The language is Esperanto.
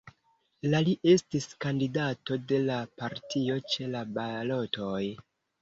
La li estis kandidato de la partio ĉe la balotoj.